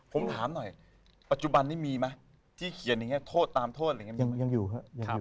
ผมถามหน่อยปัจจุบันนี่มีไหมที่เขียนอย่างนี้โทษตามโทษยังอยู่ครับ